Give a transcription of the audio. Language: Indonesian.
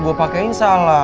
gua pakein salah